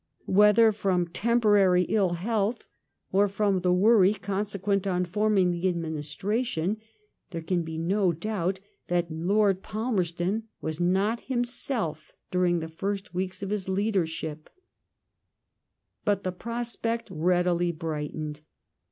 Whether from temporary ill health or from the worry consequent on forming the administration, therb •oan be no doubt that Lord Palmerston was not himself ^during the first weeks of his leadership* But the prospect speedily brightened.